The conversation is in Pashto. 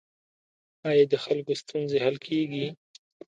آیا د خلکو ستونزې حل کیږي؟